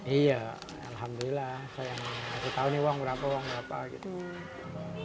iya alhamdulillah saya masih tau uang berapa uang berapa gitu